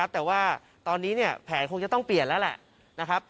แต่ว่าตอนนี้แผนคงจะต้องเปลี่ยนแล้วแหละนะครับ